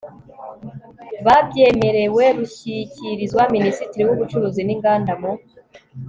babyemerewe rushyikirizwa Minisitiri w ubucuruzi n inganda mu